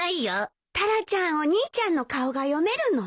タラちゃんお兄ちゃんの顔が読めるの？